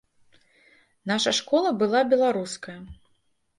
Наша школа была беларуская.